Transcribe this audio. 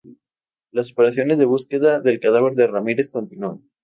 Las operaciones de búsqueda del cadáver de Ramírez continúan.